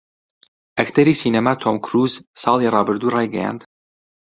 ئەکتەری سینەما تۆم کرووز ساڵی ڕابردوو ڕایگەیاند